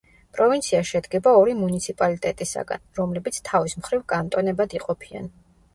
პროვინცია შედგება ორი მუნიციპალიტეტისაგან, რომლებიც თავის მხრივ კანტონებად იყოფიან.